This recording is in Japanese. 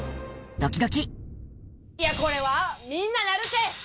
いや、これはみんななるて。